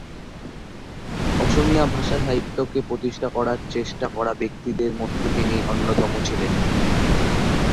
অসমীয়া ভাষা সাহিত্যকে প্রতিষ্ঠা করার চেষ্টা করা ব্যক্তিদের মধ্যে তিনি অন্যতম ছিলেন।।